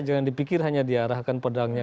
jangan dipikir hanya diarahkan pedangnya